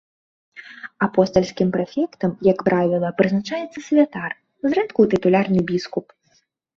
Апостальскім прэфектам, як правіла, прызначаецца святар, зрэдку тытулярны біскуп.